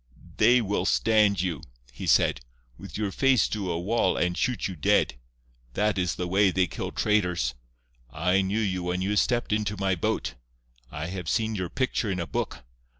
"They will stand you," he said, "with your face to a wall and shoot you dead. That is the way they kill traitors. I knew you when you stepped into my boat. I have seen your picture in a book.